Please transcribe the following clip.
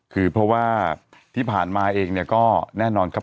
คือเพราะว่าที่ผ่านมาเองเนี่ยก็แน่นอนครับ